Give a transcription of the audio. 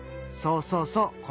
そうそうそう！